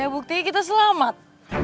bukti kita selamat